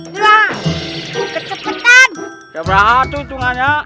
selasi selasi bangun